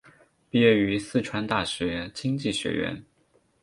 毕业于四川大学经济学院。